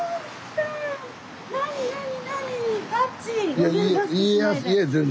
いや全然。